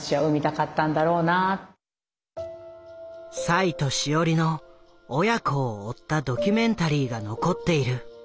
栽と志織の親子を追ったドキュメンタリーが残っている。